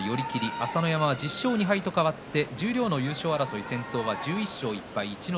朝乃山は１０勝２敗と変わって十両の優勝争い先頭は１１勝１敗逸ノ